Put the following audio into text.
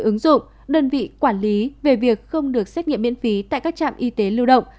ứng dụng đơn vị quản lý về việc không được xét nghiệm miễn phí tại các trạm y tế lưu động